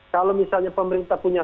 kalau misalnya pemerintah punya